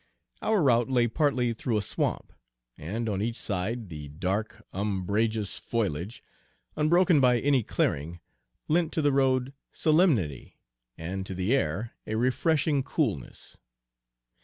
Our route lay partly through a swamp, and on each side the dark, umbrageous foliage, unbroken by any clearing, lent to the road solemnity, and to the air a refreshing coolness.